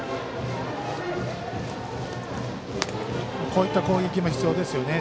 こういった攻撃も必要ですよね。